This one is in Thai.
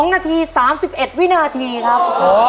๒นาที๓๑วินาทีครับ